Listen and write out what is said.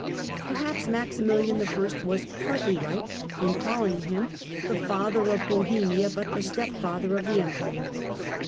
Perhaps Maximilian I. was partly right in calling him " The Father of Bohemia but the step father of the Empire